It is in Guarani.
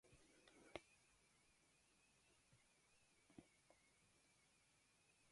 Henyhẽte opaichagua yvyrágui.